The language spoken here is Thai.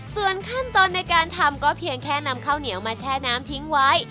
ส่วนขั้นตอนในการทำก็เพียงแค่นำข้าวเหนียวมาแช่น้ำทิ้งไว้